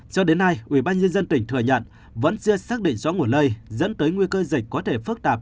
cho đến nay ubnd tỉnh thừa nhận vẫn chưa xác định rõ nguồn lây dẫn tới nguy cơ dịch có thể phức tạp